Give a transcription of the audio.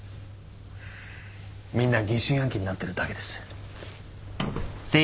みんな疑心暗鬼になってるだけです。